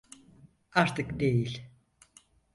Artık değil.